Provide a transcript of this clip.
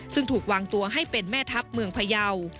ซึ่งถูกวางตัวให้เป็นแม่ทัพเมืองพยาว